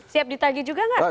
siap ditagih juga nggak